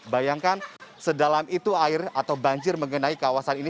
bayangkan sedalam itu air atau banjir mengenai kawasan ini